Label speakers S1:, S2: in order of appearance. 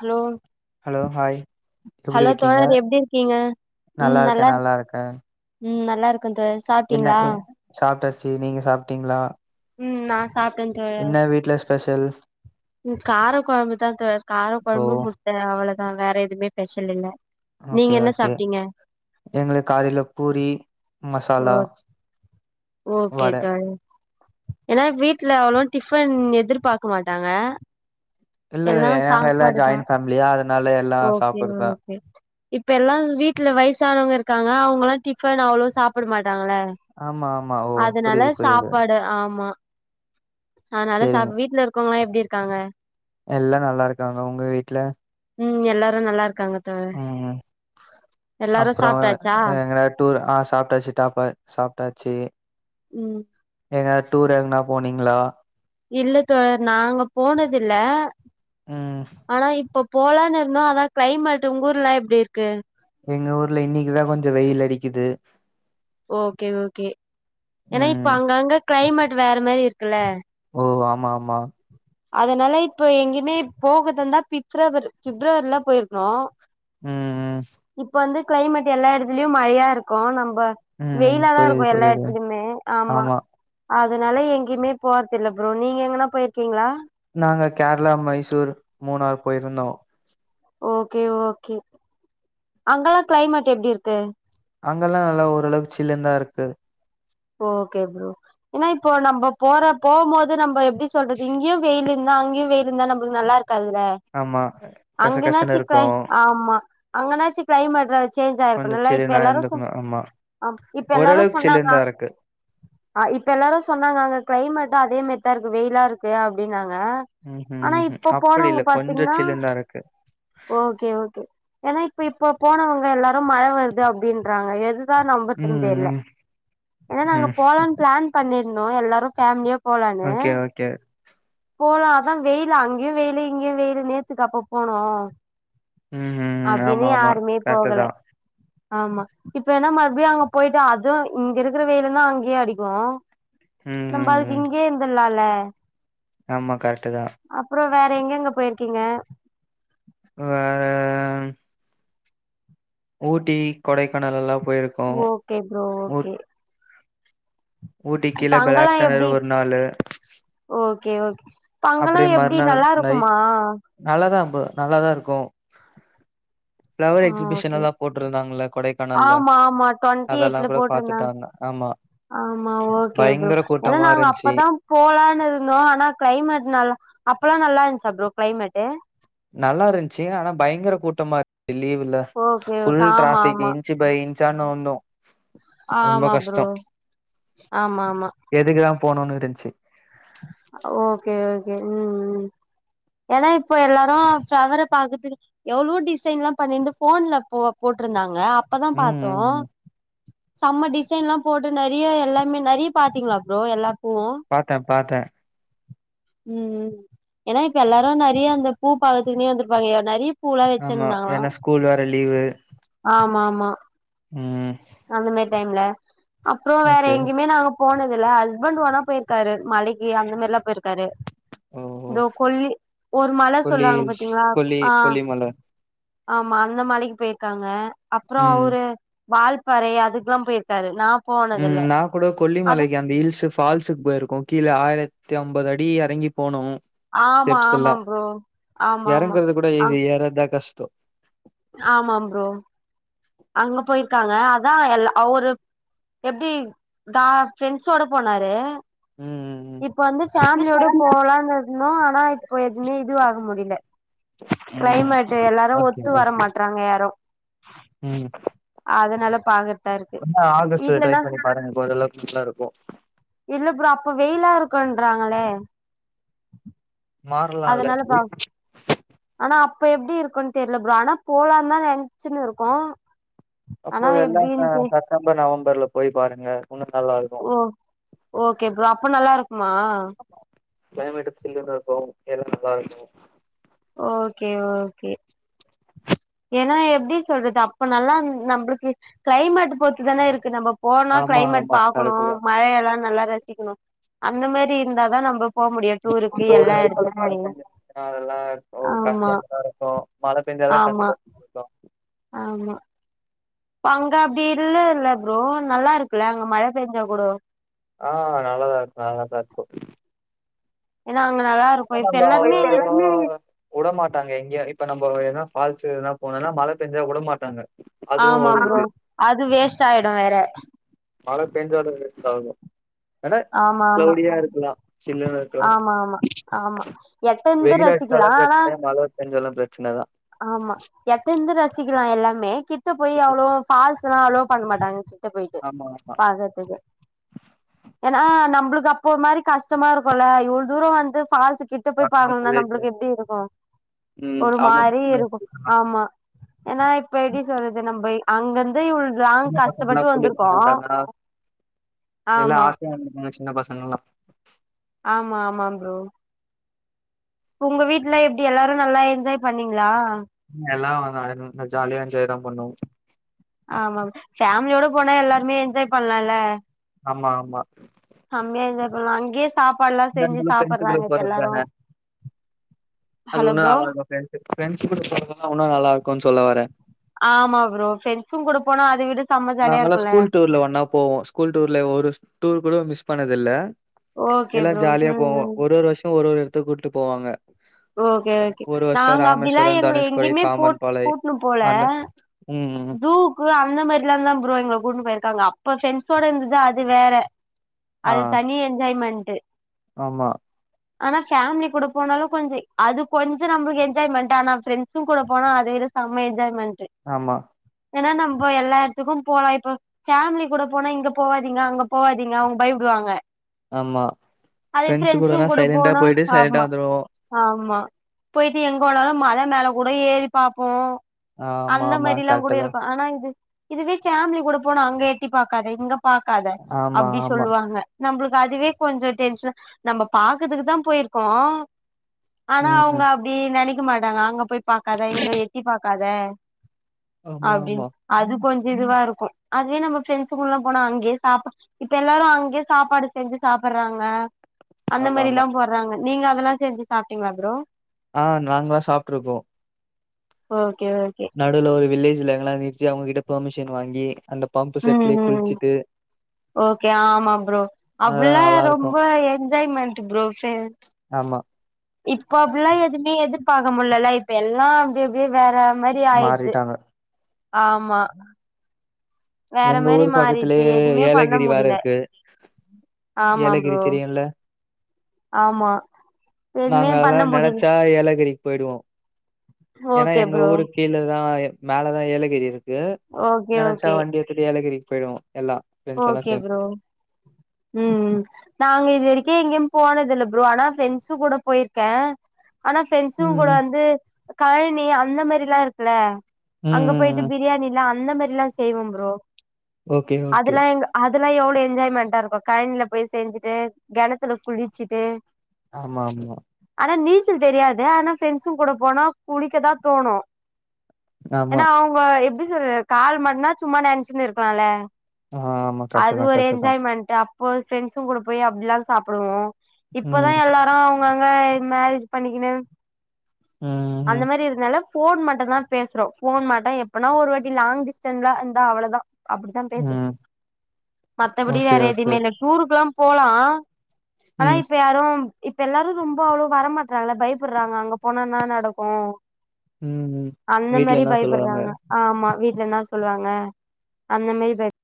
S1: Hello
S2: hello hi எப்டி
S1: hello
S2: இருக்கீங்க
S1: தோழர் எப்டி இருக்கீங்க ம்
S2: நல்லா இருக்கே
S1: நல்லாரு
S2: நல்லா இருக்கே
S1: ம் நல்லாருக்கன் தஸ்
S2: என்ன ஏ சாப்ட்டாச்சு நீங்க சாப்ட்டீங்ளா
S1: ம் நாஸ் சாப்ட்டே தோழர்
S2: என்ன வீட்ல ஸ்பெஷல்
S1: ம் கார கொழம்பு தா தோழர் கார
S2: ஓ
S1: கொழம்பு முட்ட அவ்ளதா வேற எதுமே பெஷல் இல்ல
S2: ஆகே
S1: நீங்க என்ன
S2: ஓகே
S1: சாப்ட்டீங்க
S2: எங்களு காலைல பூரி
S1: ஓ
S2: மசாலா
S1: ஓகே
S2: வட
S1: தோழ் ஏன்னா வீட்ல அவ்ளவா டிஃபன் எதிர்பாக்கு மாட்டாங்க
S2: இல்ல
S1: எல்லா
S2: நாங்க எல்லா
S1: சாப்பாடு தா
S2: ஜாயிண்ட் ஃபேமிலியா அதனால எல்லா
S1: ஓகே மேம்
S2: சாப்புட்றதா
S1: ஓகே இப் ப்பெல்லா இது வீட்ல வயசானவங்க இருக்காங்க அவ்ங்கல்லா டிஃபன் அவ்ளவா சாப்புட மாட்டாங்கள
S2: ஆமா ஆமா ஓ புரியுது
S1: அதனால
S2: புரியுது
S1: சாப்பாடு ஆமா அனால
S2: சேரிங்க
S1: சாப் வீட்ல இருக்கவங்ளா எப்டி இருக்காங்க
S2: எல்லா நல்லாருக்காங்க உங்க வீட்ல
S1: ம் எல்லாரு நல்லார்க்காங்க
S2: ம்ம் அப்றோ அ
S1: சாப்ட்டாச்சா
S2: எங்க ராட் டூர் ஆ சாப்ட்டாச்சி டாப்ப சாப்ட்டாச்சி
S1: ம்
S2: எங்க டூர் எதுனா போனீங்ளா
S1: இல்ல தோழர் நாங்க போனதில்ல
S2: ம்
S1: ஆனா இப்போ போலான்னு இருந்தோ அதா க்ளைமேட்டு உங்க ஊர்லா எப்டி இருக்கு
S2: எங்க ஊர்ல இன்னைக்கு தா கொஞ்ச வெயில் அடிக்குது
S1: ஓகே ஓகே ஏன்னா இப்ப
S2: ம்
S1: அங்கங்க க்ளைமேட் வேற மாரி இருக்குல்ல
S2: ஓ ஆமா ஆமா
S1: அதனால இப்ப எங்கயுமே போகதுந்தா பிப்ரவரி பிப்ரவரிலா போயிருக்கணு
S2: ம் ம்
S1: இப்ப வந்து க்ளைமேட் எல்லா எடத்துலயு மழையா இருக்கு நம்ப
S2: ம்
S1: வெயிலாதா
S2: புரியுது
S1: இருக்கு எல்லா
S2: புரியுது
S1: எடத்துலயு ஆமா அதனால எங்கயுமே போறதுல்ல ஃப்ரோ நீங்க எங்கனா போயிருக்கீங்களா
S2: நாங்க கேரளா மைசூர் மூணார் போயிருந்தோ
S1: ஓகே ஓகே அங்கெல்லா க்ளைமேட் எப்டி இருக்கு
S2: அங்கல்லா நல்லா ஓளவுக்கு சில்லுன்தா இருக்கு
S1: ஓகே ப்ரோ ஏன்னா இப்போ நம்ம போற போகும் போது நம்ம எப்டி சொல்றது இங்கயு வெயில் இருந்தா அங்கயு வெயில் இருந்தா நமக்கு நல்லாருக் கங்க
S2: ஆமா கசகசன்னு
S1: அங்கனாச்சி
S2: இருக்கும்.
S1: ஆமா அங்கனாச்சு க்ளைமேட் [unintelligible] சேஞ்ச்
S2: கொஞ்சம்
S1: ஆயிருக்குனுல இப்ப
S2: சில்லுன்னா
S1: எல்லாரு
S2: இருந்துக்கணும் ஆமா
S1: ஆம் இப்ப எல்லாரு
S2: ஓரளவுக்கு
S1: சொன்னாங்க
S2: சில்லுன்னு தான் இருக்கு.
S1: ஆ இப்ப எல்லாரு சொன்னாங்க அங்க க்ளைமேட்டா அதே மாரிதா இருக்கு வெயிலா இருக்கு அப்டின்னாங்க
S2: ம்ஹ்ம்
S1: ஆனா
S2: ம்ஹ்ம்
S1: இப்ப
S2: அப்படி
S1: போனவங்க
S2: இல்ல கொஞ்சம்
S1: பாத்தீங்கன்னா
S2: சில்லுன்னு தான் இருக்கு.
S1: ஓகே ஓகே ஏன்னா இப்ப இப்ப போனவங்க எல்லாரு மழ வருது அப்டின்றாங்க எது இதா நம்பறதுனு
S2: ம்
S1: தெரியில
S2: ம்
S1: ஏன்னா நாங்க
S2: ம்
S1: போலாம்னு பிளான் பண்ணிருந்தோ எல்லாரு பேமிலியா
S2: ஓகே ஓகே
S1: போலு அதா வெயிலு அங்கயு வெயிலு இங்கயு வெயிலு நேத்துக்கப்ப போனோ
S2: ம் ம் ஆமா
S1: அப்டின்னு
S2: ஆமா
S1: யாருமே
S2: கரெக்ட்டு
S1: போகல
S2: தான்.
S1: ஆமா இப்ப என்ன மறுபடியு அங்க போயிட்டு அதுவு இங்க இருக்குற வெயிலுதா அங்கயு அடிக்கு
S2: ம்
S1: நம்ப
S2: ம்
S1: அதுக்கு
S2: ம்
S1: இங்கே இருந்தலால
S2: ஆமா கரெட்டுதா
S1: அப்பற வேற எங்கங்க போயிருக்கீங்க
S2: ஆ ஊட்டி கொடைக்கானல் எல்லா போயிருக்
S1: ஓகே ப்ரோ ஓகே
S2: ஊட்டி
S1: இப்ப
S2: கீழ
S1: அங்கல்லா
S2: பிளாக் தண்டரு
S1: எப்டி
S2: ஒரு நாலு
S1: ஓகே ஓகே பங்கலா
S2: அப்டியே
S1: எப்டி
S2: மறுநாள்
S1: நல்லா
S2: நைட்
S1: இருக்குமா
S2: நல்லாதா ப்ரோ நல்லாதா இருக்கு ஃபிளவர்
S1: ஆ
S2: எக்ஸிபிஷன்
S1: ஓகே
S2: எல்லா போட்டிருந்தாங்கல்ல கொடைக்கானல்ல
S1: ஆமா ஆமா டுவெண்ட்டி
S2: அதெல்லா
S1: எயிட்ல
S2: கூட
S1: போட்ருந்தாங்க
S2: பாத்துட்டாங்க ஆமா
S1: ஓகே ப்ரோ
S2: பயங்கர
S1: ஏன்னா
S2: கூட்டமா
S1: நாங்க
S2: இருந்ச்சு
S1: அப்தா போலான்னு இருந்தோ ஆனா க்ளைமேட் நல் அப்பல்லா நல்லாருந்துச்சா ப்ரோ க்ளைமேட்டு்
S2: நல்லா இருந்துச்சு ஆனா பயங்கர கூட்டமா இருந்து லீவுல
S1: ஓகே ஓகே
S2: ஃபுல்
S1: ஆமா
S2: டிராபிக்
S1: ஆமா
S2: இன்ச்சு பை இன்ச்சான் நவுந்தோ ரொம்ப
S1: ஆமா ப்ரோ
S2: கஷ்ட
S1: ஆமா ஆமா
S2: எதுக்குதா போணும்ன்னு இருந்துச்சு
S1: ஓகே ஓகே ம் ம் ஏன்னா இப்போ எல்லாரு பிளவர பாக்கறதுக்கு எவ்ளோ டிசைன்ல்லா பண்ணிருந்து போன்ல போ போட்டிருந்தாங்க அப்பதா
S2: ம்
S1: பாத்தோ
S2: ம் ம்
S1: செம்ம டிசைன்ல்லா போட்டு நறைய எல்லாருமே நறைய பாத்தீங்களா ப்ரோ எல்லாக்கோ
S2: பாத்தே பாத்தே
S1: ம் ம் ஏனா இப்ப எல்லாரு நெறைய அந்த பூ பாக்கத்துக்குன்னே வந்திருப்பாங்க நெறைய பூலா
S2: ஆமா ஏனா ஸ்கூல் வேற லீவு
S1: ஆமாமா
S2: ம்
S1: அந்த மேரி டைம்ல அப்புறோ வேற
S2: ஓகே
S1: எங்யுமே நாங்க போனது இல்ல ஹஸ்பண்ட் வேணா பேயிருக்காரு மலைக்கு அந்த மாரிலா பேயிருக்காரு
S2: ஓ ஓ
S1: தோ கொல்லி ஒரு மல
S2: கொல்லி
S1: சொல்றாங்க
S2: ஹில்ஸ்
S1: பாத்தீங்ளா
S2: கொல்லி
S1: ஆ
S2: கொல்லிமல
S1: ஆமா அந்த மலைக்கு பேயிருக்காங்க அப்றோ
S2: ம்
S1: ஒரு வால்பாறை அதுக்கெல்லா பேயிருக் க்காரு நா போ
S2: ம் நா கூட கொல்லிமலைக்கு அந்த ஹில்ஸ் ஃபால்ஸுக்கு போயிருக்கோ கீழ ஆயிரத்தி அம்பது அடி எறங்கி போனு
S1: ஆமா ஆமா
S2: டெப்ஸ்யெல்லா
S1: ப்ரோ ஆமா ஆமா
S2: எறங்கறது கூட
S1: ஆ
S2: ஈசி ஏர்றதா கஷ்டோ
S1: ஆமா ஃப்ரோ அவுங்ளா போயிருக்காங்க அதா எல்லா அவுரு எப்டி தா ஃப்ரெண்ட்ஸோட போனாரு
S2: ம்,
S1: இப்ப வந்து ஃபேமிலியோட
S2: ம்.
S1: போலானு இருந்தோ ஆனா இப்ப எதுமே இதுவாக முடில
S2: ம்.
S1: கிளைமேட்டு எல்லாரு
S2: ஓகே,
S1: ஒத்து
S2: ஓகே.
S1: வர மாட்டறாங்க யாரு
S2: ம்
S1: அதனால பாக்றத்
S2: அப்பன்னா ஆகஸ்ட்டு ட்ரை பண்ணி பாருங்க ஃப்ரே அதுல ஃபுல்லா இருக்கு
S1: இல்ல ஃப்ரோ அப்ப வெயிலா இருக்குன்றாங்களே
S2: மாறலாம்ல.
S1: அதனால பாக் ஆனா அப்ப எப்டி இருக்குன்னு தெரியல ஃப்ரோ ஆனா போலான்தா நெனைச்சின்னு இருக்கோ
S2: அப்போ
S1: ஆனா
S2: எல்லாமே
S1: எப்டின்னு தெ
S2: செப்டம்பர் நவம்பர்ல போய் பாருங்க இன்னு நல்லாருக்கு
S1: ஓ ஓகே ஃப்ரோ அப்ப நல்லாருக்குமா
S2: கிளைமேட் சில்லுனு இருக்கு எல்லா நல்லாருக்கு
S1: ஓகே ஓகே ஏனா எப்டி சொல்றது அப்ப நல்லாந் நம்மளுக்கு கிளைமேட் பொறுத் துதானே இருக்கு நம்ம போனா
S2: ஆமா,
S1: கிளைமேட்
S2: ஆமா.
S1: பாக்குணு
S2: கரெக்ட்டு தான்.
S1: மழயெல்லா நல்லா ரசிக்குணு அந்த மேரி இருந்தாதா நம்ம முடியு டூருக்கு எல்லா எடத்துக்குமே
S2: [unintelligible] அதெல்லா ஓ
S1: ஆமா
S2: கஷ்டமா இருக்கு மழ பெஞ்சால்லா
S1: ஆமா
S2: கசக் தா
S1: ஆமா அங்க அப்டி இல்ல இல்ல ஃப்ரோ நல்லா இருக்குல்ல அங்க மழ பெஞ்சா கூடோ
S2: ஆ நல்லாதாருக்கு நல்லாதாருக்கு
S1: ஏனா அங்க நல்லாருக்
S2: ஆ இப்ப எல்லாமே உடமாட்டாங்க எங்கியு இப்ப நம்ம எதனா ஃபால்ஸு எதனா போனுன்னா மழ பெஞ்சா வுடமாட்டாங்க
S1: ஆமா ஃப்ரோ அது வேஸ்ட் ஆயிடு வேற
S2: மழ பெஞ்சாலு வேஸ்ட் ஆகு ஏனா கிளவுடியா இருக்குலா சின்னவ
S1: ஆமாமா ஆமா எட்ட இருந்து
S2: வெயில்
S1: ரசிக்கலா
S2: அடிச்சாலு
S1: ஆனா
S2: பிரச்சன மழ பெஞ்சாலு பிரச்சனதா
S1: ஆமா எட்டெருந்து ரசிக்கலா எல்லாமே கிட்ட போய்
S2: ம்
S1: அவ்ளோவா ஃபால்ஸ்ல்லா அலோ பண்ண மாட்டாங்க கிட்ட போயிட்டு
S2: ஆமா ஆமா
S1: பாக்கறதுக்கு ஏனா நம்பளுக் அப்போ ஒர் மாரி கஷ்டமாருக்குல்ல இவ்ள தூரோ வந்து ஃபால்ஸு கிட் கிட்ட போய்
S2: பசங்க
S1: பாக்கலனா
S2: போயிட்டு
S1: நம்பளுக்கு எப்டிருக்கு
S2: ம்
S1: ஒரு
S2: ஆமா
S1: மாரிருக்கு ஆமா ஏனா இப்ப எப்டி சொல்றது நம்ப அங்கந்து இவ்ள் லாங்
S2: சின்ன பசங்கலா
S1: கஷ்டபட்டு
S2: கூட்டிட்டு
S1: வந்துருக்கோ
S2: வந்திருந்தாங்கன்னா எல்லா
S1: ஆமா
S2: [unintelligible] சின்ன பசங்கல்லா
S1: ஆமா ஆமா ப்ரோ உங்க வீட்ல எப்டி எல்லாரு நல்லா எஜ்ஜாய் பண்ணிங்ளா
S2: எல்லா [unintelligible] ஜாலியா எஜ்ஜாய் தா பண்ணோ
S1: ஆமா ஃபேம்லியோட போனா எல்லாருமே என்ஜாய் பண்லால
S2: ஆமா ஆமா
S1: ஹம்மியா எஞ்ஜாய் பண்லா அங்கே சாப்பாடுல்லா செஞ்சி
S2: ஃப்ரெண்ட்ஸுகளோட
S1: சாப்றாங்க இப்ப
S2: போறது தான
S1: எல்லாரு
S2: அது
S1: ஹலோ
S2: உன்னு
S1: ப்ரோ
S2: நல்லா இருக்கு ஃப்ரெண்ட்ஸு ஃப்ரெண்ட்ஸ் கூட போரதுலா உன்னு நல்லாருக்குன் சொல்ல வரெ
S1: ஆமா ப்ரோ ஃப்ரெண்ட்ஸுங் கூட போனா அத விடு
S2: நாங்கல்லா ஸ்கூல் டூர்ல ஒன்னா போவோ ஸ்கூல் டூர்ல ஒரு டூரு கூட மிஸ் பண்ணதுல்ல
S1: ஓகே
S2: எல்லாரு
S1: ப்ரோ
S2: ஜால்யா
S1: ம்
S2: போவோ
S1: ம்
S2: ஒரு ஒரு வர்ஷோ ஒரு ஒரு எடத்துக் கூட்டு போவாங்க
S1: ஓகே ஓகே
S2: ஒரு வர்ஷோ
S1: நாங்க அப்டிலா
S2: இராமேஸ்வர
S1: எங்கள
S2: தனுஷ்கொடி
S1: எங்கயுமே போட்
S2: பாமன்பாளைய் அந்த ம் ம்
S1: ஜுவுக்கு அந்த மாரிதான்லா ப்ரோ எங்கள கூட்ன்னு போய்ருக்காங்க அப்ப ஃப்ரெண்ட்ஸோட இருந்தது தா அது வேற
S2: ஆ
S1: அது தனி எஞ்ஜாய்மெண்டு
S2: ஆமா
S1: ஆனா ஃபேம்லி கூட போனாலு கொஞ்ச அது கொஞ்ச நம்பளுக் எஞ்ஜாய்மெண்ட் ஆனா ஃப்ரெண்ட்ஸுங் கூட போனா அது இரு செம்ம எஞ்ஜாய்மெண்டு
S2: ஆமா
S1: ஏனா நம்போ எல்லா எடத்துக்கு போலா இப்போ ஃபேம்லி கூட போனா இங்க போவாதீங்க அங்க போவாதீங்க அவங்க பயப்டுவாங்க
S2: ஆமா
S1: அதே
S2: ஃப்ரெண்ட்ஸ் கூடனா
S1: ஃப்ரெண்ட்ஸுங் கூட
S2: சைலண்டா
S1: போனோ
S2: போயிட்டு சைலண்டா
S1: ஆமா
S2: வந்துருவோ
S1: ஆமா போய்ட்டு எங்க வேணாலு மல மேல கூட ஏறி பாப்போ
S2: ஆமா
S1: அந்த
S2: ஆமா
S1: மாரிலா கூட
S2: கரெக்ட்டு தா
S1: இருக்கு ஆனா இது இதுவே ஃபேம்லி கூட போனா அங்க எட்டி பாக்காத இங்கப் பாக்காத
S2: ஆமா
S1: அப்டி
S2: ஆமா
S1: சொல்லுவாங்க நம்பளுக்கு அதுவே கொஞ்சோ டென்ஷ நம்ப பாக்கறதுக்குதா போயிருக்கோ ஆனா அவங்க
S2: ம்
S1: அப்டி நெனக்க மாட்டாங்க அங்க போய் பாக்காத இங்க எட்டி பாக்காத
S2: ஆமா
S1: அப்டின்
S2: ஆமா
S1: அது கொஞ்ச இதுவாருக்கு அதுவே நம்ம ஃப்ரெண்ட்ஸு கூடல்லா போனா அங்கயே சாப் இப்ப எல்லாரு அங்கயே சாப்பாடு செஞ்சி சாப்றாங்க அந்த
S2: ஆமா ஆமா
S1: மாரில்லா போட்றாங்க நீங்க அதெல்லா செஞ்சி சாப்டீங்ளா ப்ரோ
S2: அ நாங்லா சாப்ட்ருக்கோ
S1: ஓகே ஓகே
S2: நடுவுல ஒரு வில்லேஜ்ல அங்கலா நிருத்தி அவங்ககிட்ட ஃபெர்மிஷன் வாங்கி அந்த பம்பு
S1: ம்
S2: செட்லே
S1: ம்
S2: குளிச்சிட்டு
S1: ஓகே ஆமா ப்ரோ
S2: அதெல்லா
S1: அப்டில்லா
S2: நல்லா இருக்கு
S1: ரொம்ப எஞ்ஜாய்மெண்டு ப்ரோ ஃபே
S2: ஆமா
S1: இப்போ அப்டில்லா எதுமே எதிர்பாக்க முல்லல்ல இப்ப எல்லா அப்டி அப்டியே வேற மாரி ஆயிர்து
S2: மாறிட்டாங்க
S1: ஆமா வேற
S2: எங்க
S1: மாரி
S2: ஊரு பக்கத்துலே
S1: மாறிடுது எதுவுமே பண்ண
S2: ஏலகிரி வேறே
S1: முடில
S2: இருக்கு
S1: ஆமா
S2: ஏலகிரி
S1: ப்ரோ
S2: தெரியுல்ல
S1: ஆமா எதுவுமே
S2: நாங்கல்லா
S1: பண்ண முடில
S2: நெனச்சா ஏலகிரிக் போய்டுவோ ஏனா
S1: ஓகே
S2: எங்க
S1: ப்ரோ
S2: ஊருக் கீழதா எ மேலதா ஏலகிரி இருக்கு
S1: ஓகே
S2: நெனச்சா
S1: ஓகே
S2: வண்டி எத்துட்டு ஏலகிரிக் போய்டுவோ எல்லா ஃப்ரெண்ட்ஸ் எல்லா
S1: ஓகே
S2: சேந்து
S1: ப்ரோ ம் ம் நாங்க இது வரைக்கு எங்கயு போனதில்ல ப்ரோ ஆனா ஃப்ரெண்ட்ஸு கூட போயிருக்கே ஆனா ஃப்ரெண்ட்ஸுங்க
S2: ம்
S1: கூட
S2: ம்
S1: வந்து கழனி அந்த மாரிலா இருக்குல
S2: ம்
S1: அங்க
S2: ம் ம்
S1: போயிட்டு பிரியாணில்லா அந்த மாரில்லா செய்வோ ப்ரோ
S2: ஓகே ஓகே
S1: அதெல்லா எங்க அதெல்லா எவ்ள என்ஜாய்மெண்டா இருக்கு கழனில போய் செஞ்சுட்டு கெணத்துல குளிச்சுட்டு
S2: ஆமா ஆமா
S1: ஆனா நீச்சல் தெரியாது ஆனா ஃப்ரெண்ட்ஸுங்க கூட போனா குளிக்கதா தோணு
S2: ஆமா
S1: ஏன்னா அவங்க எப்டி சொல் கால் மட்டுனா சும்மா நனைச்சுட் இருக்கலால
S2: ஆ ஆமா
S1: அது
S2: கரெக்ட்டுதா
S1: ஒரு
S2: கரெக்ட்டுதா
S1: என்ஜாய்மெண்ட் அப்போ ஃப்ரெண்ட்ஸுங் கூட போய் அப்டிலா சாப்புடுவோ இப்பதா
S2: ம்
S1: எல்லா அவுங்கங்க மேரேஜ் பண்ணிக்குணு
S2: ம்
S1: அந்த
S2: ம்
S1: மாரி இருக்கனால ஃபோன் மட்டுந்தா பேசறோ ஃபோன் மட்டு எப்பனா ஒரு வாட்டி லாங் டிஸ்டன்லா இருந்தா அவ்வளதா அப்படித்தா பேசு
S2: ம்
S1: மத்தபடி
S2: ஓகே
S1: வேற
S2: ஓகே
S1: எதுமே இல்ல டூருக்குல்லா போலா ஆனா
S2: ம்
S1: இப்ப யாரு இப்ப எல்லாரு ரொம்ப அவ்ளவ வரமாட்றாங்க பயப்பட்றாங்க அங்க போனா என்னா நடக் கு
S2: ம்.
S1: அந்த
S2: வீட்ல
S1: மாரி
S2: என்ன சொல்லுவாங்க?
S1: பயப்படறாங்க ஆமா வீட்ல என்னா சொல்லுவாங்க அந்த மாரி ப